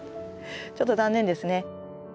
ちょっと残念ですね。